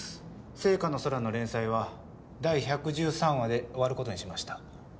『ＳＥＩＫＡの空』の連載は第１１３話で終わる事にしました。